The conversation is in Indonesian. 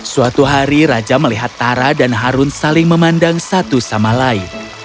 suatu hari raja melihat tara dan harun saling memandang satu sama lain